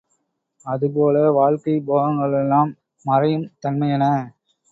அது போல, வாழ்க்கைப் போகங்களெல்லாம் மறையுந் தன்மையன.